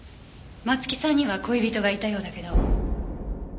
松木さんには恋人がいたようだけど。